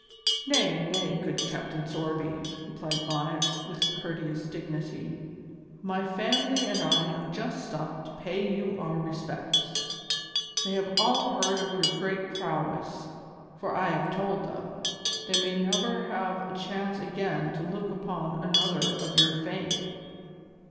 "Nay, nay, good Captain Sorby," replied Bonnet, with courteous dignity, "my family and I have just stopped to pay you our respects. They have all heard of your great prowess, for I have told them. They may never have a chance again to look upon another of your fame."